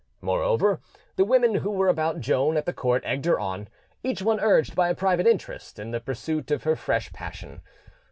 Moreover, the women who were about Joan at the court egged her on, each one urged by a private interest, in the pursuit of her fresh passion.